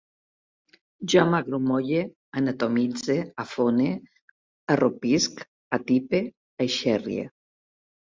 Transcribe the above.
Jo m'agrumolle, anatomitze, afone, arrupisc, atipe, aixerrie